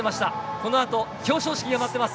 この後、表彰式が待っています。